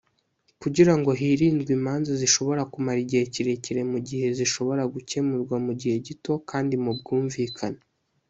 kugira ngo hirindwe imanza zishobora kumara igihe kirekire mu gihe zishobora gukemurwa mu gihe gito kandi mu bwumvikane